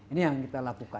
ini yang kita lakukan